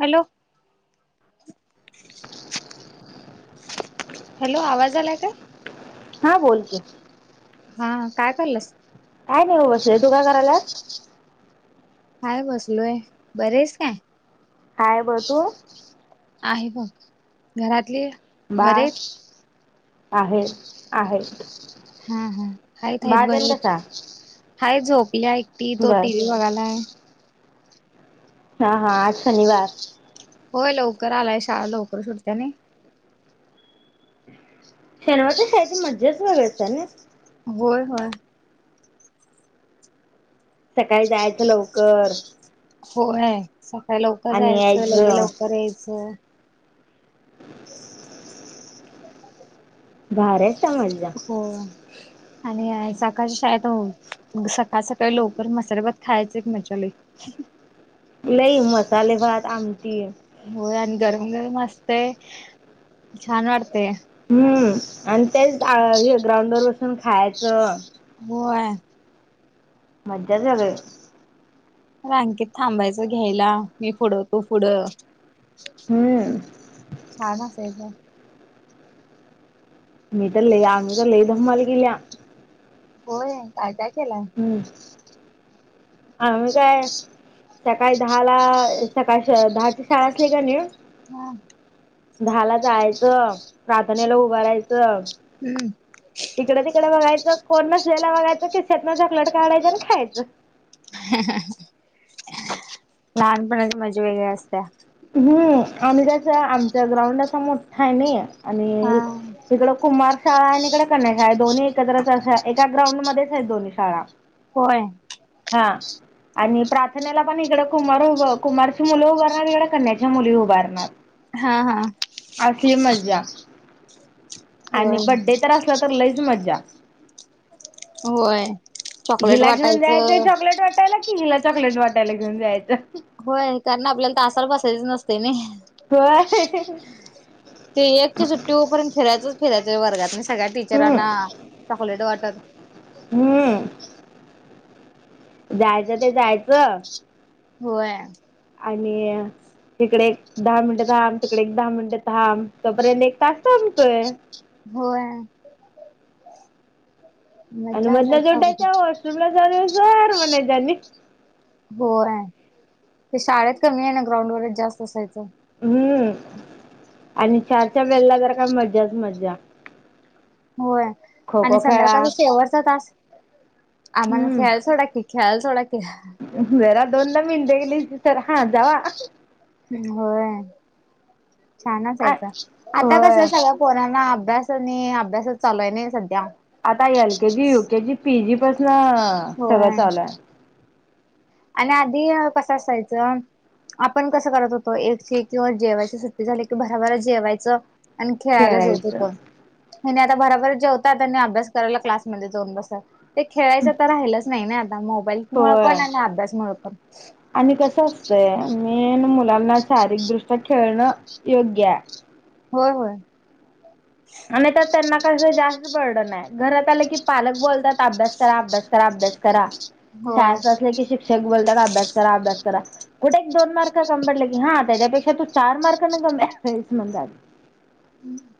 Hello hello, आवाज आलाय काय? हा बोल की. हा काय करलंस? काय नाही बसले तू काय करायस? काय बसलोय, बरेस काय? हाय बग, तू? आहे बघ घरातले बाळ आहे आहेत. हा हा आयत यत बरी. कसा? हाय झोपल्या एकटी तो बर टी व्ही बघायलाय. हा हा आज शनिवार. होय लवकर आलाय शाळा लवकर सुटत नाही. शनिवारच्या शाळेची मजाच वेगळी असतय नाय. होय होय. सकाळी जायचं लवकर. होय सकाळी लवकर आणि जायचं लगे यायचं लवकर यायचं. भारी असत्या मजा. होय. आणि सकाळच्या शाळेत सकाळ सकाळी लवकर मसाले भात खायच एक मजा लेय. ह [inaudible] लई मसाले भात आमटी. होय आणि गरम गरमस्तय छान वाटतेय. हम्म. आणि तेच हे ग्राउंड वर बसून खायचं. होय. मजा सगळी. रांकेत थांबायचं घ्यायला मी फुड तू पुढं. हम्म छान ना असायचं. मी तर लय आम्ही तर लय धमाल केली. होय काय काय केलाय. हम्म. आ मही काय सकाळी दहा ला सकाळ दहाची शाळा असली का नाही. हा, दहा ला जायचं प्रार्थनेला उभारायचं. हम्म. इकडे तिकडे बघायचं कोण नसलेला बघायचं खिशात न चॉकलेट काढाचं आणि खायचं. ह [inaudible] लहानपणाची मजा वगरे असत्या. हम्म आम्ही कस आमचा ग्राउंड असा मोठा आहे ना हा आणि तिकड. कुमार शाळा आणि इकडे कन्याशाळा आहे दोन्ही एकत्रच एका ग्राउंड मध्येच आहेत दोन्ही शाळा. होय. हा आणि प्रार्थनेला पण इकडे कुमार उभ कुमारची मुलं उभारणार. कन्याच्या मुली उभारणार. हा हा, असली मज्जा आणि होय बड्डे तर असलं तर लईच मज्जा. होय. चॉकलेट हिला घेऊन जायचंय वाटायचं चॉकलेट वाटायला कि हिला चॉकलेट वाटायला घेऊन जायचं. होय कारण आपल्याला तासाला बसायच नसते नाही. होय. ते एकच्या सुट्टीवरपर्यंत फेरायचच फेरायचं वर्गात आणि सगळ्या हम्म, टीचरांना. चॉकलेट वाटत. हम्म जायचं ते जायचं. होय. आणि अ. तिकडे एक दहा मिनटं थांब तिकडे एक दहा मिनिटं थांब तोपर्यंत एक तास संपतोय. होय. आणि मज्जा असायची मधला अगदी उठायचं वॉशरूमला जाऊन येऊ सर म्हणाय आणि. होय ते शाळेत कमी आहे ना ग्राउंड वगरेच जास्त असायचं. हम्म आणि चारच्या वेलेला जर का मज्जाच मज्जा होय खो खो आणि खेळा संध्याकाळचा शेवटचा तास आम्हाला हम्म खेळाला सोडा की, खेळाला सोडा की जरा दोनदा मिनट गेली सर हा जावा होय छान आ- असायचं आता कस होय सगळं पोरांना अभ्यास आणि अभ्यासच चालू आय नय सध्या आता L K G, U K G, P G पासन सगळं होय चालू आय. आणि आधी कसं असायचं आपण कसं करत होतो एकची किंवा जेवायची सुट्टी झाली की भराभर जेवायचं आणि खेळायला जायचो खेळायचं. पण ह्यांनी आता भराभरा जेवतात आणि अभ्यास करायला क्लासमध्ये जाऊन बसतात. ते खेळायचं तर राहिलंच नाही ना आता मोबाईल मुळ होय पण आणि अभ्यासमुळ पण आणि कसं असतंय मेन मुलांना शारीरिक दृष्ट्या खेळणं योग्य आय. होय होय. हा नाय त त्यांना काय अस जास्त पडन नाय घरात आलं की पालक बोलतात अभ्यास करा अभ्यास करा अभ्यास करा होय शाळेत असले की शिक्षक बोलतात अभ्यास करा अभ्यास करा कुठे एक दोन मार्क कमी पडले की हा त्याच्यापेक्षा तू चार मार्कांन कमी आलास म्हणतात.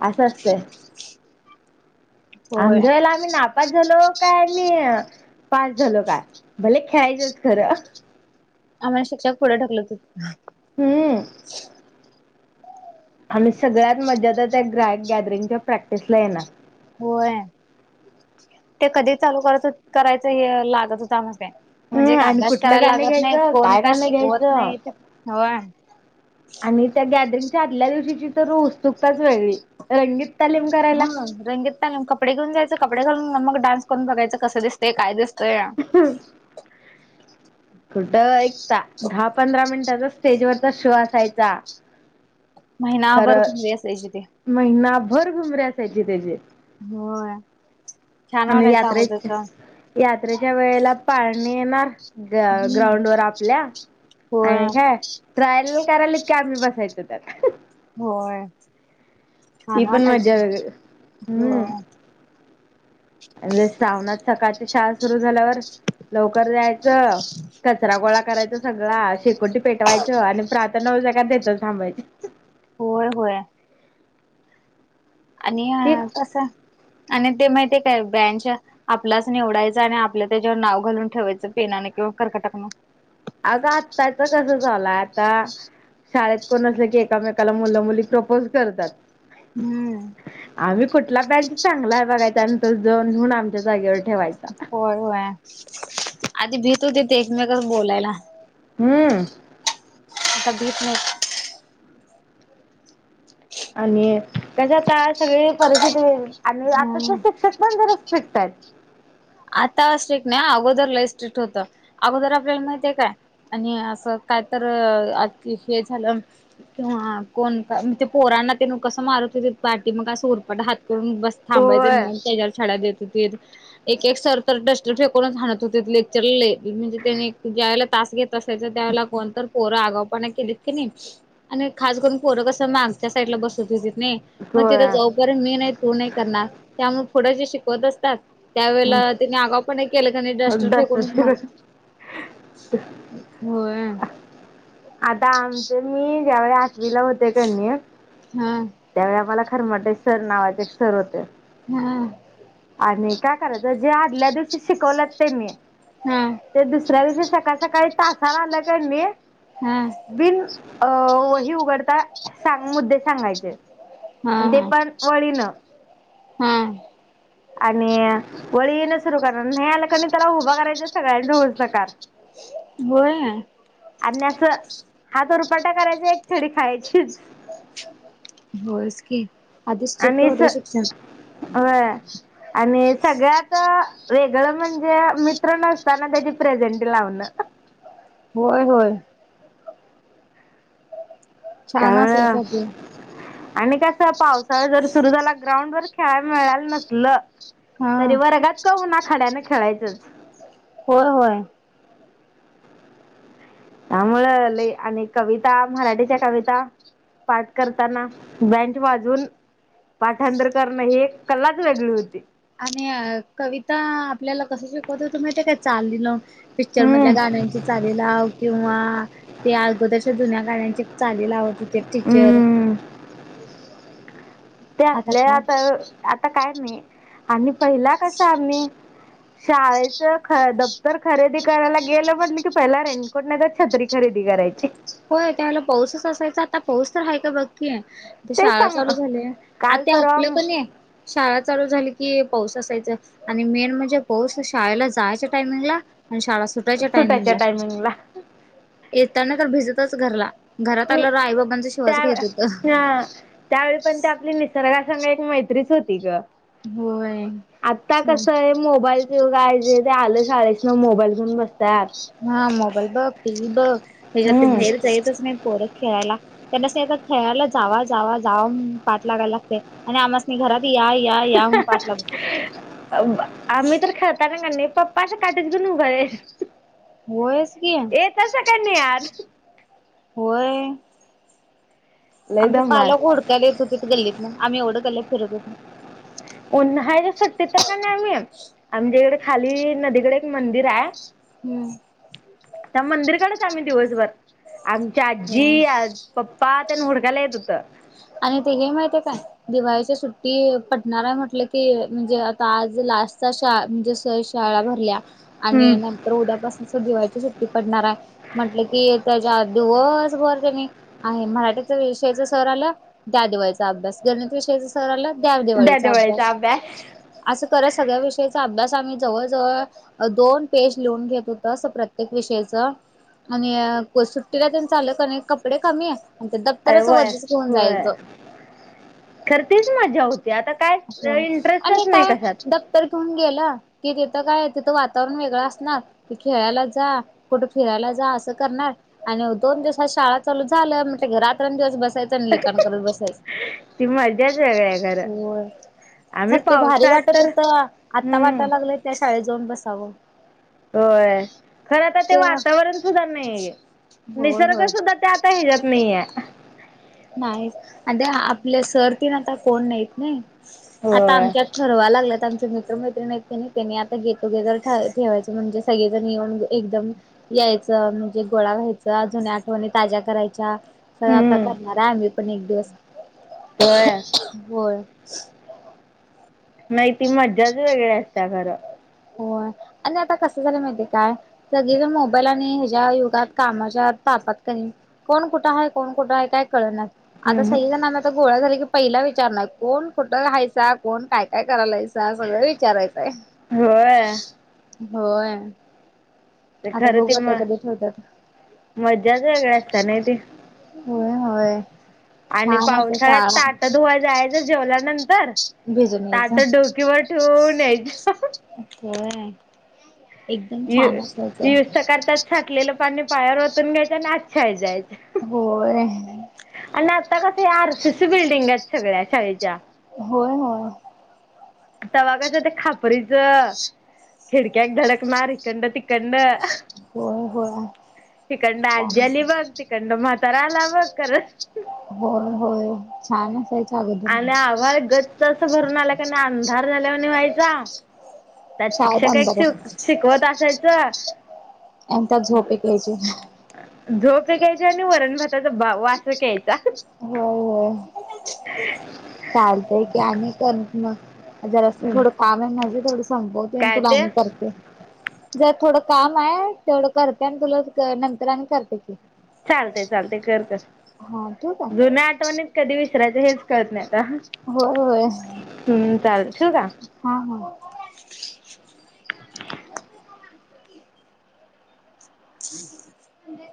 असं असतय होय आमच्या वेळेला आम्ही नाप पास झालो काय मी पास झालो काय भले खेळायचंच खरं आम्हाला शिक्षक पुढ ढकलत होत.. हूं आणि सगळ्यात मज्जा त त्या ग्रा गॅदरिंगच्या प्रॅक्टिसला येणार. होय ते कधी चालू करतच करायचं हे लागत होत आम्हास काय म्हणजे हम्म काय आणि अभ्यास कुठलं करायला गाणं लागत नाहीत घ्यायचं कोण काय गाणं शिकवत घ्यायचं नाहीत होय. आणि त्या गॅदरिंगच्या आदल्या दिवशीची तर उत्सुकताच वेगळी रंगीत तालीम हा करायला रंगीत घालून कपडे घेऊन जायचं कपडे घालून अनं मग डान्स करून बघयचं कसं दिसतय काय दिसंतय हम्म कुठं एक ता दहा पंधरा मिनिटाचा स्टेजवरचा शो असायचा. महिनाभर खरं घुमरे असायची ते महिनाभर घुमरे असायचे त्याजे होय छान आणि वाटायचं यात्रेत अगोदरच यात्रेच्या वेळेला पाळणी येणार ग हम्म ग्राउंड वर आपल्या होय आणि काय ट्रायल करायल्यात काय आम्ही बसायचो त्यात होय. ती छान पण मज्जा वाटायचं वेगळ हम्म होय आणि ते श्रावणात सकाळची शाळा सुरु झाल्यावर लवकर जायचं. कचरा गोळा करायचा सगळा शेकोटी पेटवायचं आणि प्रार्थना हो [unintelligible] तिथंच थांबायची. होय होय. आणि ती असा आणि ते माहिती ये काय बँच आपलाच निवडायच आणि आपलं त्याच्यावर नाव घालून ठेवायचं पेनानें किंवा कर्कटकनं. अगं आत्ताच कसं झालाय आता शाळेत कोण असले की एकामेकाला मुलं मुली प्रपोज करतात. हम्म. आम्ही कुठला बेंच चांगलाय बघाय त्यान त जाऊन घेऊन आमच्या जागेवर ठेवायच. होय होय आधी भीत होती येते एकमेक बोलायला. हम्म आता भीेत नाही. आणि त्याच्या आता सगळी परिस्थिती आणि आताच हम्म शिक्षक पण जरा स्ट्रिक्ट आहेत. आता स्ट्रिक्ट नाही अगोदरला स्ट्रिक्ट होतं अगोदर आपल्याला माहिती आहे काय? आणि असं काय तर हे झालं किंवा कोण का ते पोरांना तेन कसं मारत होतीत पाटी मगं उरपट हात करून बस थांबायचं होय. मग त्याच्यावर छडा देत होती. एक एक सर तर डस्टर फेकुणचं हणत होतीत लेक्चर ल ल म्हणजे त्याने ज्याय [unintelligible] ला तास घेत तय तर त्याला कोणत पोरा आगा पना केलीत की नाही आणि खास करून पोरं कसं मागच्या साईडला बसत होतित नाय मग तिथ होय जा उपर् मी नाही तू नाही करणार त्यामुळे पुडं जे शिकवत असतात त्यावेेळे तिने आगावपण केलं कन डस्टर फेकून च दसवीला मारत होतीत. होय. आता आमच मी ज्यावेळी आठवीला होते कणी हा त्यावेळी आम्हाला खरं म्हटतय सर नावाचेच सर होते. हम्. आणि काय करायचं जे आदल्या दिवशी शिकवलंत तेनी. हा ते दुसऱ्या दिवशी सकाळ सकाळी तासाला आलं कनी. हा बिन अ वही उघडता का सांग मुद्दे सांगायचे आणि ते पण वळीन. हम्म आणि वळी न. सुरू करणंर नाही आलं कनी त्याला उभ करायचा सगळ्यांनच [unintelligible] काढ. होय. अ असं हात उरपाटा करायचा एक छडी खायचीच. होयस की आधी स्ट्रिक्ट आणि स होता शिक्षण. होय आणि सगळ्यात वेगळं म्हणजे मित्र नसताना त्याची प्रेझेंट लावणं. होय होय. छान त्यामुळं असायचं ते. आणि कसं पावसाळ जर सुरु झाला ग्राउंड वर खेळायला मिळाल नसल हा तरी वर्गात क होना खड्याने खेळायचंच. होय होय. त्यामुळ लय आणि कविता मराठीच्या कविता. पाठ करताना बँच वाजून पाठांतर करणं ही एक कलाच वेगळी होती. आणि कविता आपल्याला कसं शिकवत होतीत माहीत आहे काय चालीन. पिक्चर हम्म मधल्या गाण्यांची. चाली किंवा ते अगोदरच्याा जुन्या गाण्याचे चाली लावत हुते टीचर हम्म ते आपल्या आता आता काय नाही आणि पहिला कस आम्ही शाळेच ख दप्तर खरेदी करायला गेलं म्हटलं की पहिला रेट. कोठ [unintelligible] नाही तर छत्री खरेदी करायची. होय त्याला पाऊसच असायचा आता पाऊस तर हाय का बघकी. ते तेच शाळा सांग चालू झालय. आ काल ते परवा आपलं कणी शाळा चालू झाली की पाऊस असायचं आणि मेन म्हणजे पाऊस शाळेला जायच्या टायमिंगला आणि शाळा सुटायच्या टायमिंगला येताना तर भिजतच घरला. घरात आल्यावर आई - बाबांचा त्या शिवास खाईत होत. हा त्यावेळी पण ते आपली निसर्गाा संग एक मैत्रीच होती ग. होय आता छान कस आहे मोबाईल च युगाय जे ते आलं शाळेस न मोबाईल घेऊन बसलं. हा मोबाईल बघ. टी व्ही बघ. हेच्यात ते हम्म बाहेर जाईतच नाहीत. पोर खेळायला त्यांनासनी आता खेळायला जावा - जावा -जावा म्हणून पाठ लागाय लागतय आणि आमासनी घरात या -या - म्हणून पाठ लागत होत. आम्ही तर खाताना का नाही पप्पा असं काटीच घेऊन उभ आहे होयच की येतासा का नाही आत. होय. लय आमचं धमाल. पालक हुडकायला येत होतीत गल्लीतन. आम्ही एवढं गल्लीत फिरत होतो. उन्हाळ्याच्या सुट्टीत तर का नाही आम्ही. आमच्या इकड खाली नदीकड एक मंदिर हाय हम्म. त्या मंदिरकडच आम्ही दिवसभर. आमची हम्म आजी अ पप्पा तेन हुडकायला येत हुतं आणि ते हेे माहितीय काय? दिवाळीच्या सुट्टी पडणार आहे म्हटलं की म्हणजे आता आज लास्टचा शा म्हणजे स श शाळा भरल्या. आणि हम्म नंतर उद्यापासून च दिवाळीची सुट्टी पडणार आहे म्हटलं कि त्याच्या दिवस [unintelligible] आहे मराठी विषयच सर आला त्या दिवाळीचा अभ्यास गणित विषयच सर आलं द्या दिवाळीचा अभ्यास. असं करत सगळ्या विषयचा अभ्यास आम्ही जवळजवळ दोन पेज लिहून घेत होत. अस प्रत्येक विषयच आणि बसू सुट्टीला तेन चालल कणी कपडे कमी आणि अरे दप्तरच व्हय वज्जच घेऊन व्हय. जायचं. खर तीच मजा होती आता काय आणि इंटरेस्टच नाही काय कशात. दप्त दप्तर घेऊन गेलं कि तिथं काय? तिथं वातावरण वेगळं असणार. की खेळायला जा कुठ फिरायला जा असं करणार. आणि दोन दिवसात शाळा चालू झालं म्हणटल की रात्रण दिवस बसायच. तर लिखाण करत बसायचं. ती मजाच वेगळी आहे खरं होय आम्ही खर ते भारी पावसात वाटत तर होत. आता हम्म वाटाय लागलंय त्या शाळेत जाऊन बसावं. होय खरं आता ते वातावरण सुद्धा नाहीय होय निसर्ग होय सुद्धा ते आता हेज्यात नाहीय नाही आणि ते आपल सर तेन आता कोण नाहीत नाई आता होय आमच्यात ठरवाय लागल्यात आमचे मित्रमैत्रीणी हायत कणी त्यांनी आता गेट टू गेदर त ठेवायच म्हणजे सगळीजण येऊन एकदम यायचं म्हणजे गोळा व्हायचं. जुन्या आठवणी ताज्या करायच्या. सगळं आता हम्म करणार आहे आम्ही तु पण एक दिवस सोया होय. नाहीती मज्जाच वेगळी असत्या खर. होय आणि आता कसं झालय माहितीय काय? सगळी जण मोबाईल आणि ज्या युगात कामाच्या तापात कनी - कोण कुठ हाय? कोण कुठ हाय? काय कळनाच. आता हम्म सगळि जण- फक्त गोळा झाल की पहिला विचारणार, कोण कुठ हायसा? कोण काय काय करालायसा? सगळ विचारायचं हाय. व्हय. होय. ते आत्ता खरं ती बघूया. आता म कधी ठेवत्यात. मज्जाच वेगळी असत्या नाही ती. व्हय. होय. आणि छान असं पावसाळ्यात ताट शाळा धुवाय जायचं जेवल्यानंतर- ताट बिझनेस डोकीवर ठेवून यायच. होय. एकदम यु छान अस युज तर करतात. साठलेलं पाणी पायावरओतून घ्यायचं आणि आच्छाय जायचं. होय. आणि आता कस? हे आरसीसी बिल्डिंग आहेत सगळ्या शाळेच्या. होय. होय. तवा कस ते खापरीच खिडक्या एक धडकणार हिक‌ंडन तिकडंन. होय होय हिकंडन छान आज्जी आली बघ. तिकडंन म्हातारा आला बघ करत- होय. होय. छानच हाय- आणि आभाळ गच्च असं भरून आलं की नाय? अंधार झाल्यावाणी व्हायचा. त्यात शाळेत शिक्षक एक अंधार शिकवत असायचं. आणि त्यात झोप एक यायची. झोप एक यायची. आणि वरण भाताचा वास एक यायचा. होय. होय. चालतय की आणि कर मग. जरासं थोडं काम हाय माझं. तेवढं संपवते आणि काय तुला ते आणि करते. बर थोडं काम हाय. तेवढं करते आणि तुला नंतर आणि करते की. चालतय. चालतय. कर कर. हा ठेवू का जुन्या आठवणीत कधी विसरायचं? हेच कळत नाही आता. होय. होय. [unintelligible] ठेवू का? हां. हां. [inaudible]